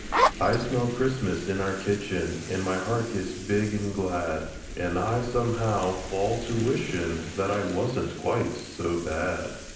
I smell Christmas in our kitchen, An' my heart gets big an' glad, An' I, somehow, fall to wishin', That I wasn't quite so bad.